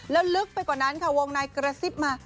แล้วลึกไปกว่านั้นค่ะวงในกระซิบมา